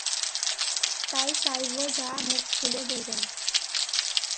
তাই, চাইব যা বলার মন খুলে বলবেন।